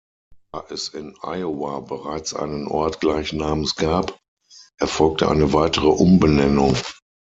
Da es in Iowa bereits einen Ort gleichen Namens gab, erfolgte eine weitere Umbenennung.